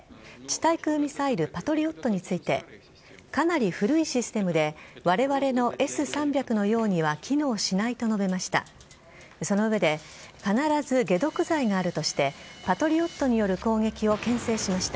対空ミサイルパトリオットについてかなり古いシステムでわれわれのＳ‐３００のようには機能しないと述べました。